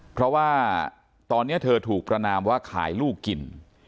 เพราะว่าตอนนี้เธอถูกประนามว่าขายลูกกิน